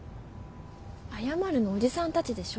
謝るのおじさんたちでしょ。